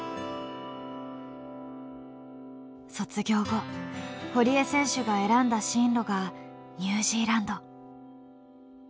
卒業後堀江選手が選んだ進路がニュージーランド。